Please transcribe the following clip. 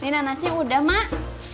nanasnya udah mak